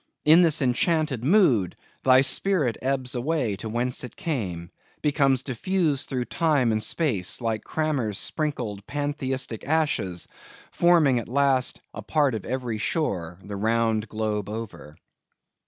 In this enchanted mood, thy spirit ebbs away to whence it came; becomes diffused through time and space; like Cranmer's sprinkled Pantheistic ashes, forming at last a part of every shore the round globe over.